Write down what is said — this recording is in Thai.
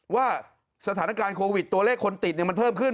ว่าสถานการณ์โควิดตัวเลขคนติดมันเพิ่มขึ้น